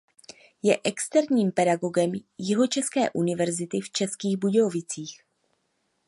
Je externím pedagogem Jihočeské univerzity v Českých Budějovicích.